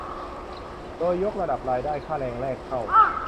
โดยยกระดับรายได้ค่าแรงแรกเข้า